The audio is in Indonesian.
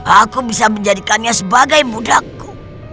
aku bisa menjadikannya sebagai mudaku